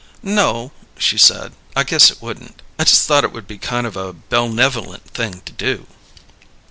"No," she said. "I guess it wouldn't. I just thought it would be kind of a bellnevolent thing to do."